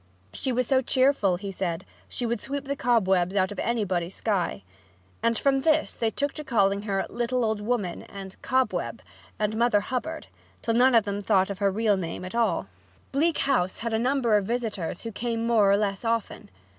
She was so cheerful, he said, she would sweep the cobwebs out of anybody's sky. And from this they took to calling her "Little Old Woman," and "Cobweb," and "Mother Hubbard," till none of them thought of her real name at all. Bleak House had a number of visitors who came more or less often.